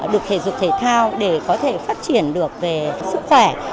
được thể dục thể thao để có thể phát triển được về sức khỏe